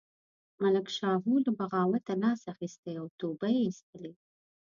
ملک شاهو له بغاوته لاس اخیستی او توبه یې ایستلې.